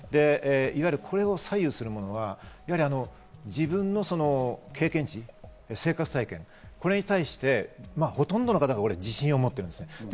これを左右するものは自分の経験値、生活体験、これに対してほとんどの方が自信を持っている。